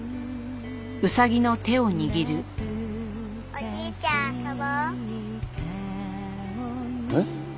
「おじいちゃん遊ぼう」えっ？